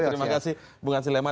terima kasih bung hansi lemah